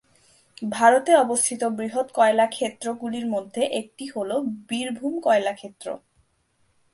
ভারতে অবস্থিত বৃহৎ কয়লা ক্ষেত্র গুলির মধ্যে একটি হল বীরভূম কয়লা ক্ষেত্র।